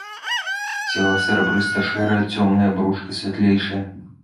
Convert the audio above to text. Цела серабрыста-шэрае, цёмнае, брушка святлейшае.